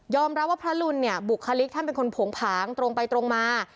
รับว่าพระรุนเนี่ยบุคลิกท่านเป็นคนโผงผางตรงไปตรงมา